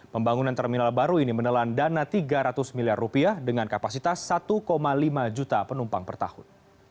pembangunan terminal baru ini menelan dana tiga ratus miliar rupiah dengan kapasitas satu lima juta penumpang per tahun